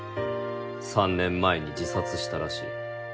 ３年前に自殺したらしい。